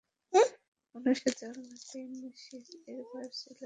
আনুশের জন্মের দিন শীছ-এর বয়স ছিল একশ পঁয়ষট্টি বছর।